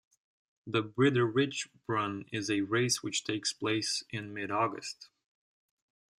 The Bridger Ridge Run is a race which takes place in mid-August.